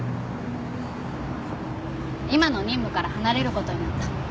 今の任務から離れることになった。